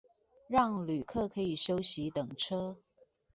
讓旅客可以休息等車